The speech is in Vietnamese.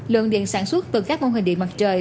lượng điện sản xuất từ các mô hình điện mặt trời